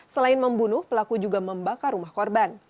selain membunuh pelaku juga membakar rumah korban